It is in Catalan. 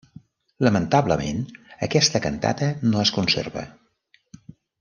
Lamentablement, aquesta cantata no es conserva.